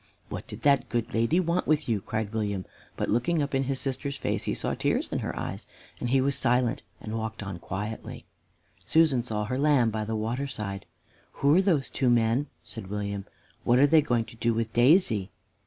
"What did that good lady want with you?" cried William; but looking up in his sister's face, he saw tears in her eyes, and he was silent and walked on quietly. Susan saw her lamb by the water side. "Who are those two men?" said William. "What are they going to do with Daisy?"